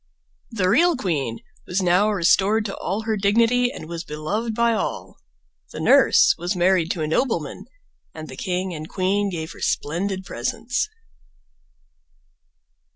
The real queen was now restored to all her dignity and was beloved by all. The nurse was married to a nobleman and the king and queen gave her splendid presents.